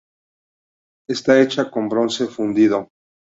Esta hecha con bronce fundido.